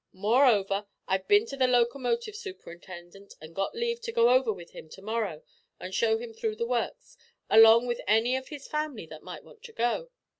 Moreover, I've bin to the locomotive superintendent and got leave to go over with him to morrow and show him through the works, along with any of his family that might want to go.